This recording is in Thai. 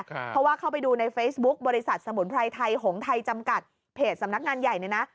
เพราะว่าเข้าไปดูในเฟซบุ๊คบริษัทสมุนไพรไทยหงไทยจำกัดเพจสำนักงานใหญ่เนี่ยนะ